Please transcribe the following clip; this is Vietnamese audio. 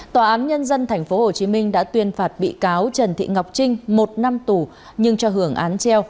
tòa án nhân dân tp hcm đã tuyên phạt bị cáo trần thị ngọc trinh một năm tù nhưng cho hưởng án treo